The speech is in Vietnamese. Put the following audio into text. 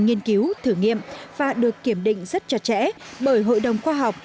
nghiên cứu thử nghiệm và được kiểm định rất chặt chẽ bởi hội đồng khoa học